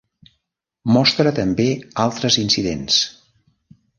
Mostra també altres incidents.